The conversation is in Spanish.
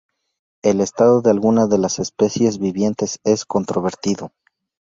El estado de algunas de las especies vivientes es controvertido.